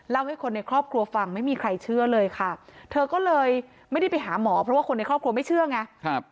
ให้คนในครอบครัวฟังไม่มีใครเชื่อเลยค่ะเธอก็เลยไม่ได้ไปหาหมอเพราะว่าคนในครอบครัวไม่เชื่อไง